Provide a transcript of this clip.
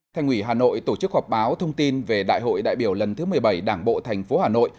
thành ủy hà nội tổ chức họp báo thông tin về đại hội đại biểu lần thứ một mươi bảy đảng bộ thành phố hà nội